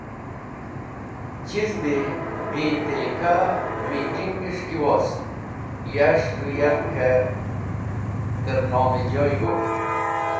Chiz bi bi tẽlika mitinges̃h ki wost yas̃h z̃hũ yarkẽ tẽrnomẽjoy gok̃ht.